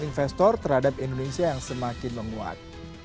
investor terhadap indonesia yang semakin menguat